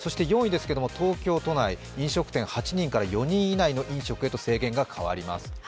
４位ですけども、東京都内、飲食店８人から４人以内の飲食へと制限が変わります。